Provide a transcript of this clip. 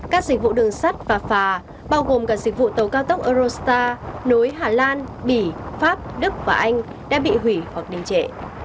các dịch vụ đường sắt và phà bao gồm cả dịch vụ tàu cao tốc eurostar nối hà lan bỉ pháp đức và anh đã bị hủy hoặc đình trệ